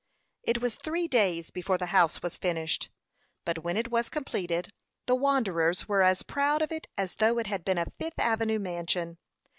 It was three days before the house was finished; but when it was completed, the wanderers were as proud of it as though it had been a Fifth Avenue mansion.